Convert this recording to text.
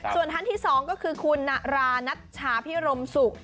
ส่วนทั้งที่๒ก็คือคุณระนัตชาพิรมสุก